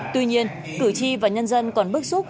tuy nhiên cử tri và nhân dân còn bức xúc